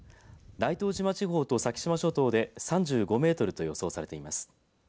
大東島地方と先島諸島で３５メートルと予想されています。